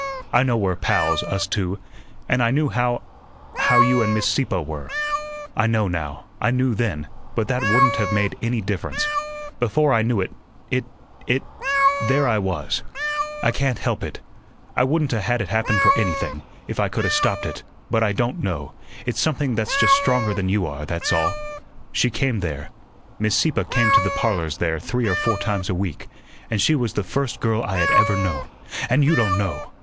I know we're pals, us two, and I knew how how you and Miss Sieppe were. I know now, I knew then; but that wouldn't have made any difference. Before I knew it it it there I was. I can't help it. I wouldn't 'a' had ut happen for anything, if I could 'a' stopped it, but I don' know, it's something that's just stronger than you are, that's all. She came there Miss Sieppe came to the parlors there three or four times a week, and she was the first girl I had ever known, and you don' know!